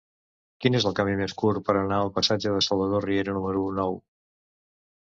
Quin és el camí més curt per anar al passatge de Salvador Riera número nou?